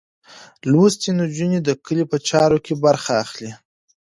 لوستې نجونې د کلي په چارو کې برخه اخلي.